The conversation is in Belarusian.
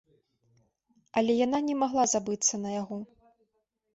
Але яна не магла забыцца на яго.